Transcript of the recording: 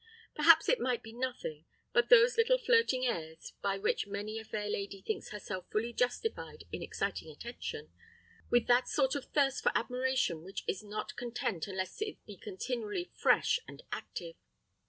Perhaps it might be nothing but those little flirting airs by which many a fair lady thinks herself fully justified in exciting attention, with that sort of thirst for admiration which is not content unless it be continually fresh and active.